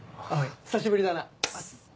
久しぶりだな。